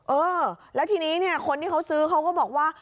เออแล้วทีนี้เนี่ยคนที่เขาซื้อเขาก็บอกว่า